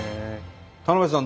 田辺さん